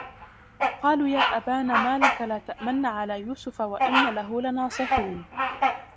قَالُوا يَا أَبَانَا مَا لَكَ لَا تَأْمَنَّا عَلَى يُوسُفَ وَإِنَّا لَهُ لَنَاصِحُونَ